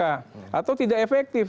atau tidak efektif